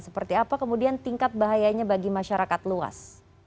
seperti apa kemudian tingkat bahayanya bagi masyarakat luas